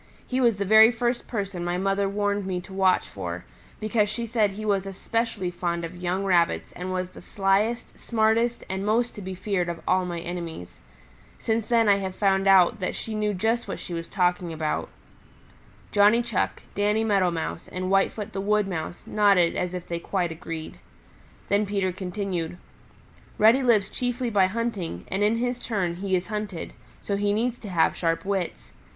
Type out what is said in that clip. "He was the very first person my mother warned me to watch for, because she said he was especially fond of young Rabbits and was the slyest, smartest and most to be feared of all my enemies. Since then I have found out that she knew just what she was talking about." Johnny Chuck, Danny Meadow Mouse and Whitefoot the Wood Mouse nodded as if they quite agreed. Then Peter continued, "Reddy lives chiefly by hunting, and in his turn he is hunted, so he needs to have sharp wits.